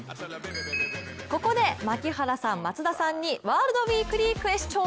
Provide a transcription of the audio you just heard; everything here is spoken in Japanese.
ここで槙原さん、松田さんにワールドウィークリークエスチョン